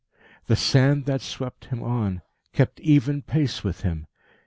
The sand that swept him on, kept even pace with him.